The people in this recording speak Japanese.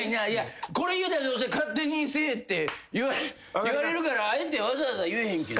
これ言うたらどうせ「勝手にせえ！」って言われるからあえてわざわざ言えへんけど。